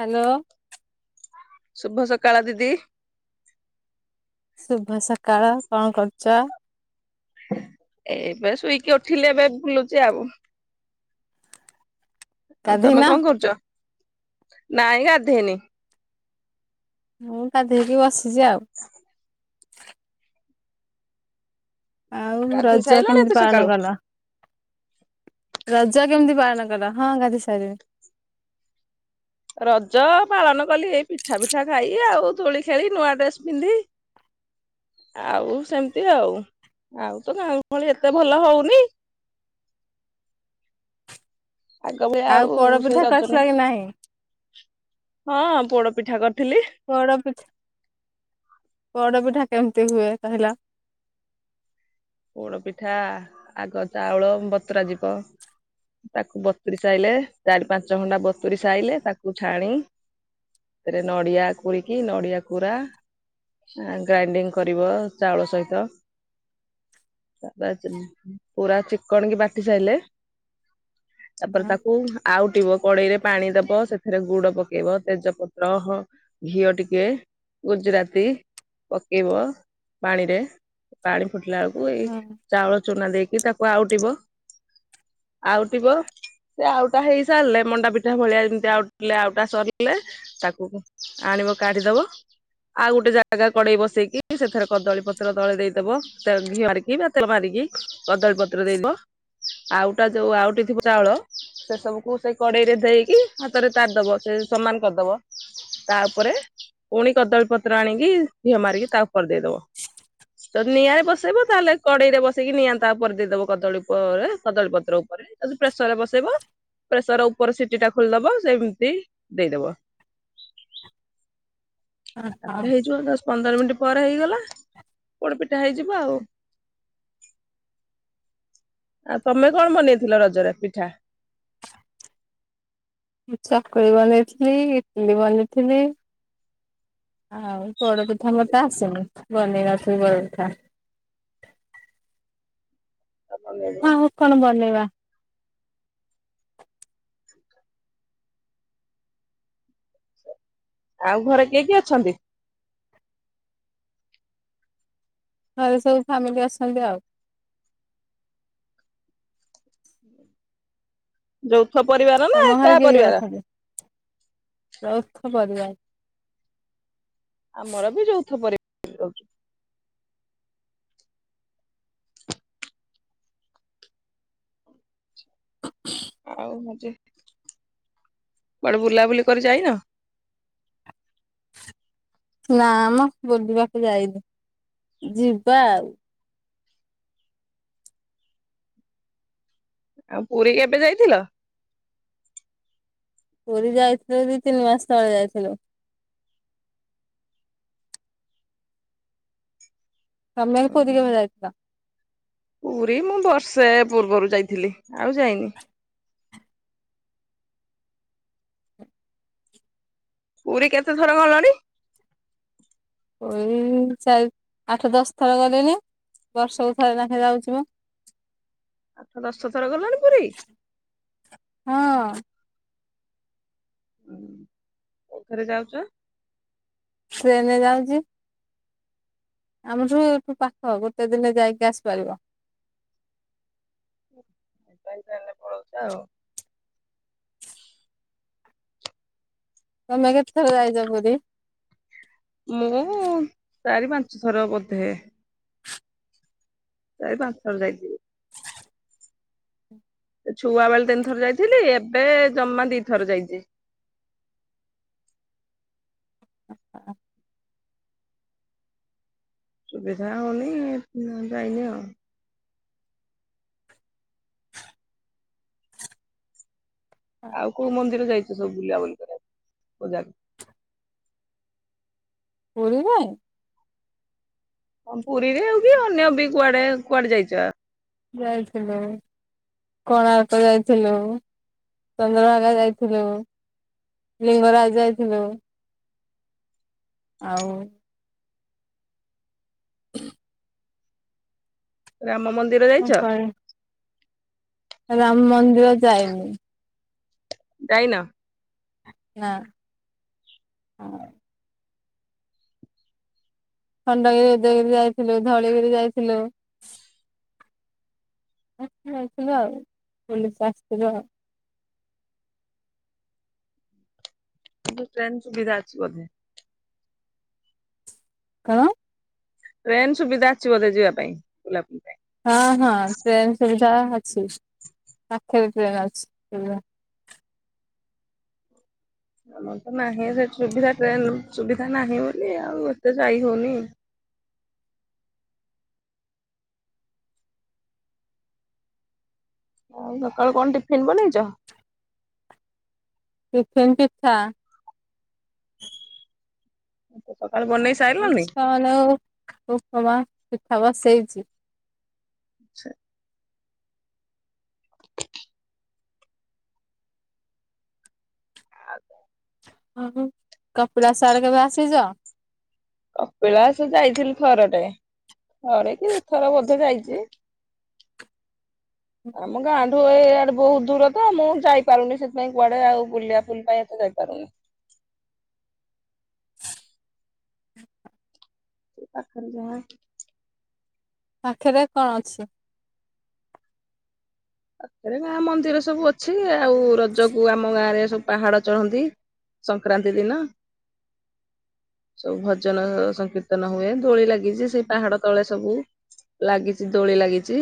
Hello. ଶୁଭ ସକାଳ ଦିଦି। ଶୁଭ ସକାଳ କଣ କରୁଛ? ଏବେ ଶୋଇକି ଉଠିଲି ଏବେ ବୁଲୁଛି ଆଉ। ଆଉ ତମେ ଗାଧେଇନ? କଣ କରୁଛ ନାଇଁ ଗାଧେଇନି। ମୁଁ ଗାଧେଇକି ବସିଛି ଆଉ। ଆଉ ଗାଧେଇ ରଜ ସାଇଲଣି କେମିତି ଏତେ ପାଳନ ସକାଳୁ? କଲ ରଜ। ଜ କେମିତି ପାଳନ କଲ ହଁ ଗାଧେଇ ସାରିଲିଣି। ରଜ ପାଳନ କଲି ଏଇ ପିଠା ପିଠା ଖାଇ ଆଉ ଦୋଳି ଖେଳି ନୂଆ ଡ୍ରେସ ପିନ୍ଧି। ଆଉ ସେମିତି ଆଉ। ଆଉ ତ ଗାଁ ଭଳି ଏତେ ଭଲ ହଉନି। ଆଗ ବି ଆଉ ସେଇ ପୋଡପିଠା ରଜ କରିଥିଲ କି ନାହିଁ ହଁ ପୋଡ଼ ପିଠା କରି ପୋଡ଼ ପିଠା। ପୋଡ଼ ପିଠା କେମିତି ହୁଏ କହିଲ? ପୋଡ଼ପିଠା ଆଗ ଚାଉଳ ବତୁରା ଯିବ। ତାକୁ ବତୁରି ସାଇଲେ ଚାରି ପାଞ୍ଚ ଘଣ୍ଡା ବତୁରି ସାଇଲେ ତାକୁ ଛାଣି ସେଥିରେ ନଡିଆ କୁରିକି ନଡିଆ କୁରା ଗ୍ରାଇଣ୍ଡିଙ୍ଗ କରିବ ଚାଉଳ ସହିତ। ତାପରେ ପୁରା ଚିକଣ କି ବାଟି ସାରିଲେ। ତାପରେ ହଁ ତାକୁ ଆଉଟିବ କଡ଼େଇରେ ପାଣି ଦବ ସେଥିରେ ଗୁଡ଼ ପକେଇବ ତେଜପତ୍ର ଘିଅ ଟିକେ ଗୁଜୁରାତି ପକେଇବ ପାଣିରେ ପାଣି ଫୁଟିଲା ବେଳକୁ ଏଇ ହଁ ଚାଉଳ ଚୁନା ଦେଇକି ତାକୁ ଆଉଟିବ ଆଉଟିବ ସେ ଆଉଟା ହେଇ ସାରିଲେ ମଣ୍ଡା ପିଠା ଭଳିଆ ଯେମିତି ଆଉଟିଲେ ଆଉଟା ସରିଲେ ତାକୁ ଆଣି କାଢିଦବ। ଆଉ ଗୋଟେ ଜାଗା କଡେଇ ବସେଇକି ସେଥିରେ କଦଳୀ ପତ୍ର ତଳେ ଦେଇଦବ ତ ଘିଅ ମାରିକି ବା ତେଳ ମାରିକି କଦଳୀ ପତ୍ର ଦେଦ। ଆଉଟା ଯୋଉଁ ଆଉଟି ଥିବ ଚାଉଳ ସେ ସବୁକୁ ସେଇ କଡେଇ ରେ ଦେଇକି ହାତରେ ପାରିଦବ ସେ ସମାନ କରିଦବ। ତା ଉପରେ ପୁଣି କଦଳୀ ପତ୍ର ଆଣିକି ଘିଅ ମାରିକି ତା ଉପରେ ଦେଇଦବ। ତ ନିଆଁରେ ବସେଇବ। ତାହେଲେ କଡେଇରେ ବସେଇକି ନିଆଁ ନହେଲେ କଡ଼େଇ ରେ ବସେଇକି ନିଆଁ ତା ଉପରେ ଦେଇଦବ କଦଳୀ ଉପରେ କଦଳୀ ପତ୍ର ଉପରେ ନହେଲେ ପ୍ରେସର ରେ ବସେଇବ। ପ୍ରେସର ଉପରେ ସିଟି ଟା ଖୋଲିଦବ ସେମିତି ଦେଇଦବ। ହଁ ତାପରେ ହେଇଯିବ ଦଶ ପନ୍ଦର ମିନିଟ। ପରେ ହେଇଗଲା ପୋଡ଼ପିଠା ହେଇଯିବ ଆଉ। ଆ ତମେ କଣ ବନେଇଥିଲ ରଜରେ ପିଠା? ମୁଁ ଚକୁଳି ବନେଇଥିଲି ଇଟଲି ବନେଇଥିଲି। ଆଉ ପୋଡ଼ପିଠା ମତେ ଆସେନି ବନେଇବାକୁ ପୋଡ଼ପିଠା। [inaudible] ହଁ ଆଉ କଣ ବନେଇବା। ଆଉ ଘରେ କିଏ କିଏ ଅଛନ୍ତି? ଘରେ ସବୁ ଫ୍ୟାମିଲି ଅଛନ୍ତି ଆଉ। ଯୌଥ ପରିବାର ନା ତମ ଘରେ ଏକା କିଏ କିଏ ପରିବାର? ଅଛନ୍ତି? ଯୌଥ ପରିବାର। ଆମର ବି ଯୌଥ ପରିବାର। ଆଉ ମଜେ। କୁଆଡ଼େ ବୁଲାବୁଲି କରି ଯାଇନ? ନାମ ବୁଲିବାକୁ ଯାଇନି ଯିବା ଆଉ। ଆଉ ପୁରୀ କେବେ ଯାଇଥିଲ? ପୁରୀ ଯାଇଥିଲୁ ଦି ତିନି ମାସ ତଳେ ଯାଇଥିଲୁ। ତମେ ପୁରୀ କେବେ ଯାଇଥିଲ? ପୁରୀ ମୁଁ ବର୍ଷେ ପୂର୍ବରୁ ଯାଇଥିଲି ଆଉ ଯାଇନି। ପୁରୀ କେତେ ଥର ଗଲଣି? ପୁରୀ ଚାରି ଆଠ ଦଶ ଥର ଗଲିଣିି। ବର୍ଷକୁ ଥରେ ନାଖେ ଯାଉଚିମୁଁ। ଆଠ ଦଶ ଥର ଗଲଣି ପୁରୀ। ହଁ ହୁଁ କଉଥରେ ଯାଉଚ? ଟ୍ରେନ୍ ରେ ‌ଯାଉଚି। ଆମଠୁ ଏଠୁ ପାଖ ଗୋଟେ ଦିନେ ଯାଇକି ଆସିପାରିବ। ଏଟେ ତାହେଲେ ପଳଉଛି ଆଉ। ତମେ କେତେଥର ଯାଇଛ ପୁରୀ? ମୁଁ ଚାରି ପାଞ୍ଚ ଥର ବୋଧେ। ଚାରିପାଞ୍ଚଥର ଯାଇଥିବି। ଛୁଆ ବେଳେ ତିନିଥର ଯାଇଥିଲି ଏବେ ଜମା ଦି ଥର ଯାଇଛି। [inaudible] [unintelligible] ସୁବିଧା ହଉନି ଯାଇନ ଆଉ। ଆଉ କୋଉ ମନ୍ଦିର ଯାଇଛ ସବୁ ବୁଲାବୁଲି କରିବା ମଜା ପୁରୀରେ? ହଁ ପୁରୀରେ ଆଉ ବି ଅନ୍ୟ ବି କୁଆଡେ କୁଆଡେ ଯାଇଛ? ଯାଇଥିଲୁ। କୋଣାର୍କ ଯାଇଥିଲୁ ଚନ୍ଦ୍ରଭାଗା ଯାଇଥିଲୁ । ଲିଙ୍ଗରାଜ ଯାଇଥିଲୁ ଆଉ [inaudible] ରାମ ମନ୍ଦିର ଯାଇଛ? କୁଆଡେ ରାମ ମନ୍ଦିର ଯାଇନି। ଯାଇନ? ନାଁ ହଁ । ଖଣ୍ଡଗିରି, ଉଦୟଗିରି ଯାଇଥିଲୁ ଧଉଳିିଗିରି ଯାଇଥିଲୁ । ଏମିତି ଯାଇଥିଲୁ ଆଉ ବୁଲିକି ଆସିଥିଲୁ ଆଉ। । କିନ୍ତୁ ଟ୍ରେନ ସୁବିଧା ଅଛି ବୋଧେ? କଣ? ଟ୍ରେନ ସୁବିଧା ଅଛି ବୋଧେ ଯିବା ପାଇଁ ବୁଲା ବୁଲି ପାଇଁ । ହଁ ହଁ ଟ୍ରେନ ସୁବିଧା ଅଛି । ପାଖରେ ଟ୍ରେନ୍ ଅଛି ସୁବିଧା। ଆମର ତ ନାହିଁ ସେ ସୁବିଧା ଟ୍ରେନ ସୁବିଧା ନାହିଁ ବୋଲି ଆଉ ଏତେ ଯାଇ ହଉନି । । ଆଉ ସକାଳୁ କଣ ଟିଫିନ ବନେଇଛ? ଟିଫିନ୍ ପିଠା । ସକାଳୁ [unintelligible] ବନେଇ ସାରିଲନି? ଆଉ ଉପମା, ପିଠା, ବସେଇଛି । ଛି! ଆ କପିଳାସ ଆରେ କେବେ ଆସିଛ? କପିଳାସ ଯାଇଥିଲି ଥର ଟେ କି ଦି ଥର ବୋଧ ଯାଇଛି। ଆମ ଗାଁ ଠୁ ଏ ଆଡେ ବହୁତ ଦୂର ତ ମୁଁ ଯାଇପାରୁନି ସେଥିପାଇଁ କୁଆଡେ ଆଉ ବୁଲିବା ବୁଲି ପାଇଁ ଏତେ ଯାଇପାରୁନି । [inaudible] ପାଖରେ ଯାହା । ପାଖରେ କଣ ଅଛି? ପାଖରେ ଗାଁ ମନ୍ଦିର ସବୁ ଅଛି ଆଉ ରଜକୁ ଆମ ଗାଁ ରେ ସବୁ ପାହାଡ ଚଢନ୍ତି। ସଂକ୍ରାନ୍ତି ଦିନ। ସବୁ ଭଜନ ସଂକୀର୍ତ୍ତନ ହୁଏ ଦୋଳି ଲାଗିଛି ସେଇ ପାହାଡ ତଳେ ସବୁ। ଲାଗିଛି ଦୋଳି ଲାଗିଛି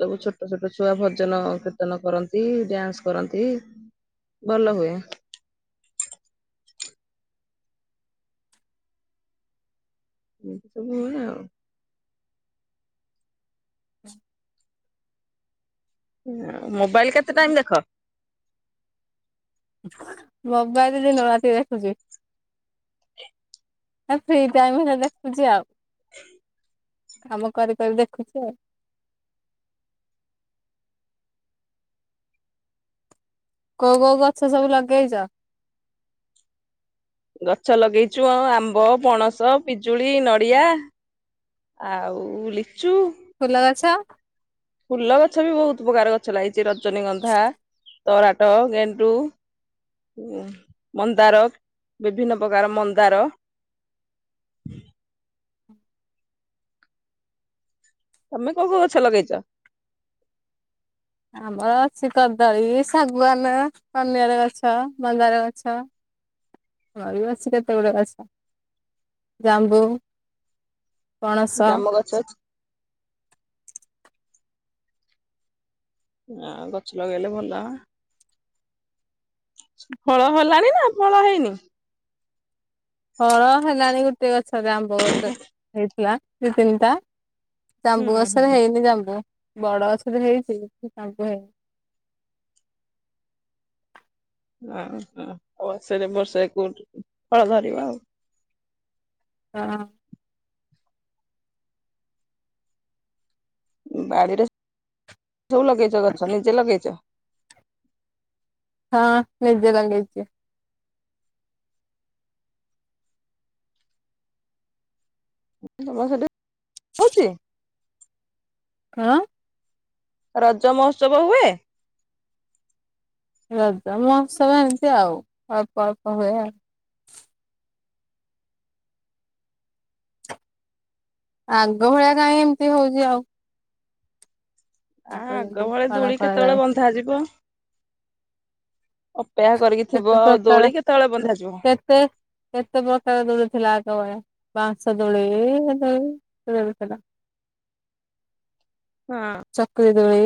ସବୁ ଛୋଟ ଛୋଟ। ଛୁଆ ଭଜନ କୀର୍ତ୍ତନ କରନ୍ତି ଡ୍ୟାନ୍ସ କରନ୍ତି। ଭଲ ହୁଏ। ଏମିତି ସବୁ ହୁଏ ଆଉ। ହୁଁ । ମୋବାଇଲ କେତେ ଟାଇମ ଦେଖ? ମୋବାଇଲ୍ ଦିନ ରାତି ଦେଖୁଚି। ଫ୍ରି ଟାଇମ ହେଲେ ଦେଖୁଚି ଆଉ। କାମ କରି କରି ଦେଖୁଚି ଆଉ । କୋଉ କୋଉ ଗଛ ସବୁ ଲଗେଇଚ? ଗଛ ଲଗେଇଚୁ ଆଉ ଆମ୍ବ ପଣସ ପିଜୁଳି ନଡିଆ। ଆଉ ଲିଚୁ। ଫୁଲ ଗଛ ଫୁଲ ଗଛ ବି ବହୁତ ପ୍ରକାର ଗଛ ଲାଗିଛି ରଜନୀଗନ୍ଧା ତରାଟ, ଗେଣ୍ଡୁ ଉଁ ମନ୍ଦାର ବିଭିନ୍ନ ପକାର ମନ୍ଦାର [unintelligible] ତମେ କୋଉ କୋଉ ଗଛ ଲଗେଇଚ? ଆମର ଅଛି କଦଳୀ ଶାଗୁଆନ କନିଆର ଗଛ ମନ୍ଦାର ଗଛ ଆହୁରି ବି ଅଛି କେତେ ଗୁଡେ ଗଛ ଜାମ୍ବୁ ପଣସ ଜାମ୍ମୁ ଗଛ ଅଛି। ଆଉ ଗଛ ଲଗେଇଲେ ଭଲ। ଫଳ ହେଲାଣି ନା ଫଳ ହେଇନି ଫଳ ହେଲାଣି ଗୋଟେ ଗଛରେ ଆମ୍ବ ଗଛରେ ହେଇଥିଲା ଦି ତିନିଟା। ହୁଁ ଜାମ୍ବୁ ହୁଁ ଗଛରେ ହେଇନି ଜାମ୍ବୁ। ବଡ଼ ଗଛଟେ ହେଇଛି କିନ୍ତୁ ଜାମ୍ମୁ ହେଇନି। [unintelligible] ଫଳ ଧରିବ ଆଉ। ହଁ। ବାଡ଼ିରେ ସବୁ ଲଗେଇଛ ଗଛ ନିଜେ ଲଗେଇଚ। [inaudible] ହଁ ନିଜେ ଲଗେଇଚି। [unintelligible] ହଉଚି କଣ? ରଜ ମହୋତ୍ସବ ହୁଏ। ରଜ ମହୋତ୍ସବ ଏମିତି ଆଉ ଅଳ୍ପ ଅଳ୍ପ ହୁଏ ଆଉ। ଆଗ ଭଳିଆ କାଇଁ ଏମିତି ହଉଚି ଆଉ। ଆ ଆଗ ଯେମିତି ଭଳି ପାଳନ ଦୁଳି କେତେବେଳେ କରାଯାଏ ବନ୍ଧାଯିବ? ଅପେକ୍ଷା କରିକି ଥିବ କେତେ ଆଉ ଦୋଳି ପ୍ରକାର କେତେବେଳେ ବନ୍ଧାଯିବ। କେତେ କେତେ ପ୍ରକାର ଦୋଳି ଥିଲା ଆଗ ବେଳେ। ବାଉଁଶ ଦୋଳି ଇଏ ଦୋଳି କେତେ ଥିଲା। ହଁ ଚକିରି ଦୋଳି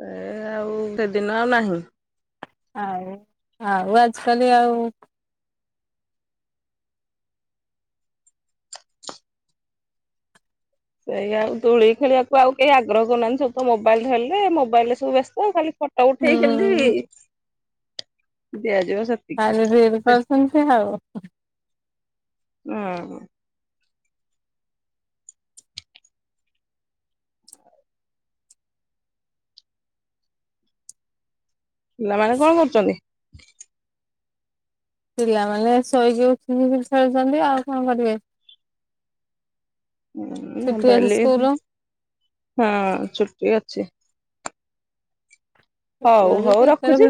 ସେ ଆଉ ସେଦିନ ଆଉ ନାହିଁ। ଆଉ ଆଉ ଆଜି କାଲି ଆଉ ସେଇ ଆଉ ଦୋଳି ଖେଳିବାକୁ ଆଉ କେହି ଆଗ୍ରହ କରୁନାହାନ୍ତି ସବୁ ତ ମୋବାଇଲ୍ ଧରିଲେ ମୋବାଇଲ୍ ରେ ସବୁ ବ୍ୟସ୍ତ ଖାଲି ଫଟ ଉଠେଇକି ହୁଁ କେମିତି ଦିଆଯିବ। ସେତିକି। [unintelligible] ଆଉ। ଉଁ ଗୁଁ। ପିଲାମାନେ କଣ କରୁଚନ୍ତି? ପିଲାମାନେ ଶୋଇକି ଉିିଠିକି ଖେଳୁଛନ୍ତି ଆଉ କଣ କରିବେ। ଛୁଟି ଅଛି ସ୍କୁଲ [unintelligible] ହଉ ହଉ [unintelligible] ରଖୁଛି।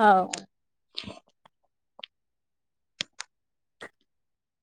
[unintelligible] ହଉ।